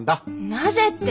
なぜって。